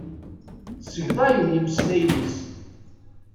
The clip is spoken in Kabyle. Segḍayen imeslayen-is.